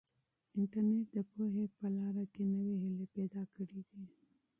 انټرنیټ د پوهې په لاره کې نوې هیلې پیدا کړي دي.